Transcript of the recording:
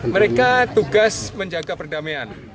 mereka tugas menjaga perdamaian